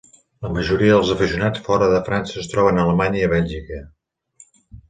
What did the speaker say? La majoria dels aficionats fora de França es troben a Alemanya i Bèlgica.